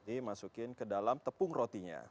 ini masukin ke dalam tepung rotinya